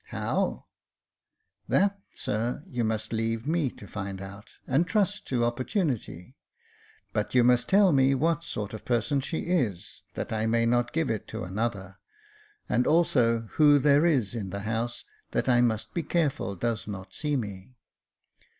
"How.?" " That, sir, you must leave me to find out, and trust to opportunity j but you must tell me what sort of person she is, that I may not give it to another ; and also, who there is in the house that I must be careful does not see me."